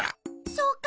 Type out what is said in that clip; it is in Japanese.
そうか。